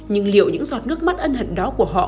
nhưng liệu những giọt nước mắt ân hận đó của họ